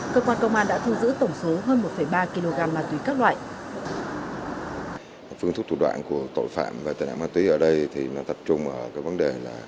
cơ quan công an đã thu giữ tổng số hơn một ba kg ma túy các loại